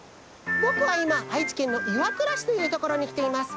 ぼくはいま愛知県の岩倉市というところにきています。